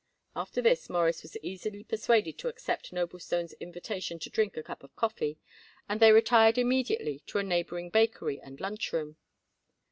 After this Morris was easily persuaded to accept Noblestone's invitation to drink a cup of coffee, and they retired immediately to a neighboring bakery and lunch room.